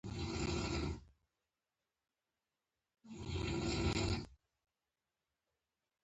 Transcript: په دې کې بودیجه په پام کې نیول کیږي.